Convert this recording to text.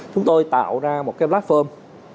chúng tôi tạo ra một cái platform